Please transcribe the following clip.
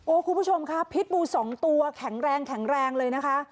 โอ้คุณผู้ชมค่ะพิษบู๒ตัวแข็งแรงเลยนะคะ